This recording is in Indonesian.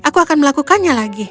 aku akan melakukannya lagi